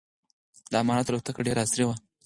د اماراتو الوتکه ډېره عصري وه.